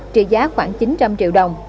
trị giá khoảng chín trăm linh triệu đồng